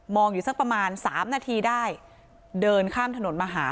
อยู่สักประมาณสามนาทีได้เดินข้ามถนนมาหา